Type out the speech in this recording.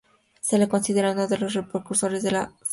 Se le considera uno de los precursores de la socialdemocracia.